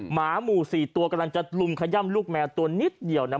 หมาหมู่๔ตัวกำลังจะลุมขย่ำลูกแมวตัวนิดเดียวนะ